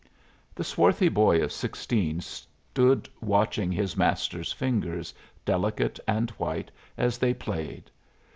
The swarthy boy of sixteen stood watching his master's fingers, delicate and white, as they played.